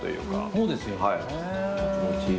そうですよね。